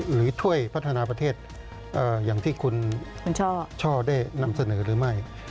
ช่วยพัฒนาประเทศอย่างที่คุณช่อได้นำเสนอหรือไม่